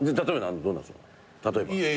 例えば？